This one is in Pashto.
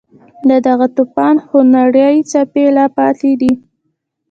د دغه توپان خونړۍ څپې لا پاتې دي.